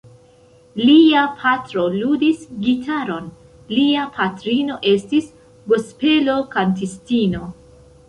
Lia patro ludis gitaron, lia patrino estis gospelo-kantistino.